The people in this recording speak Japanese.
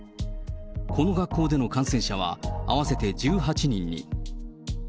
この学校での感染者は合わせて１８人に。